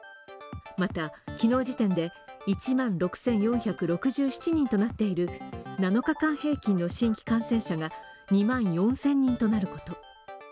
また、昨日時点で１万６４６７人となっている７日間平均の新規感染者が２万４０００人となること。